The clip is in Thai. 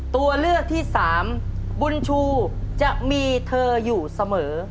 ตัวเลือกที่สามบุญชูจะมีเธออยู่เสมอ